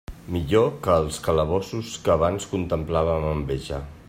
Millor que als calabossos que abans contemplava amb enveja.